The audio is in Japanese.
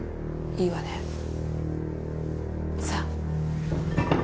いいわね？さ。